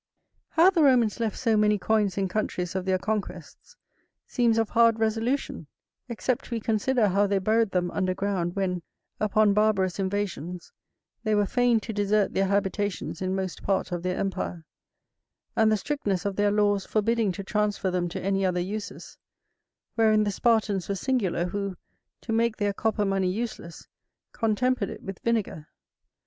How the Romans left so many coins in countries of their conquests seems of hard resolution; except we consider how they buried them under ground when, upon barbarous invasions, they were fain to desert their habitations in most part of their empire, and the strictness of their laws forbidding to transfer them to any other uses: wherein the Spartans were singular, who, to make their copper money useless, contempered it with vinegar.